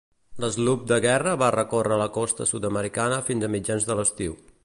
L'sloop de guerra va recórrer la costa sud-americana fins a mitjans de l'estiu.